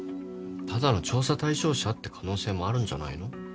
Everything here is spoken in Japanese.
ただの調査対象者って可能性もあるんじゃないの？